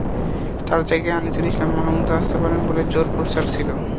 তাঁর জায়গায় আনিসুল ইসলাম মাহমুদ আসতে পারেন বলেও জোর প্রচার ছিল।